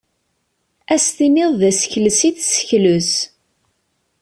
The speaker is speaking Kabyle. Ad as-tiniḍ d asekles i tessekles.